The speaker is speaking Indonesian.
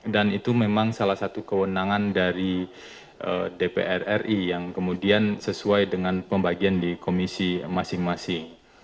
dan itu memang salah satu kewenangan dari dpr ri yang kemudian sesuai dengan pembagian di komisi masing masing